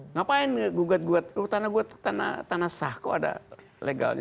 ngapain gugat gugat tanah gugat tanah sah kok ada legalnya